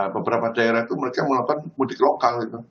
beberapa daerah itu mereka melakukan mudik lokal gitu